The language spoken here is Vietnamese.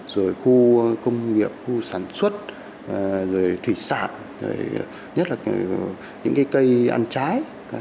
rồi khu công nghiệp khu sản xuất rồi thủy sản nhất là những cây ăn trái